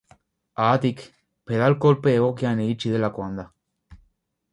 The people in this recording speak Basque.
Haatik, pedal kolpe egokian iritsi delakoan da.